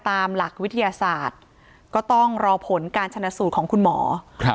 ตามหลักวิทยาศาสตร์ก็ต้องรอผลการชนะสูตรของคุณหมอครับ